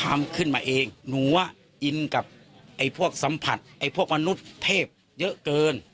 ทำขึ้นมาเองหนูอินกับไอ้พวกสัมผัสไอ้พวกมนุษย์เทพเยอะเกิน